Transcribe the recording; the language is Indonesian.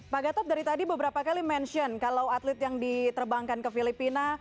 pak gatot dari tadi beberapa kali mention kalau atlet yang diterbangkan ke filipina